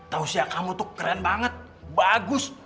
tausia kamu tuh keren banget bagus